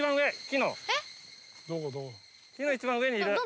木の一番上にいる。